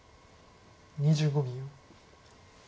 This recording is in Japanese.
２５秒。